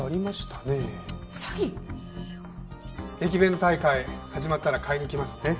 詐欺？駅弁大会始まったら買いに来ますね。